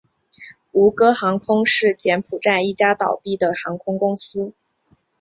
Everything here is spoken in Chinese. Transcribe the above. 吴哥航空是柬埔寨一家倒闭的航空公司。